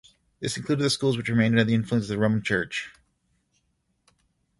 This included the schools which remained under the influence of the Roman Church.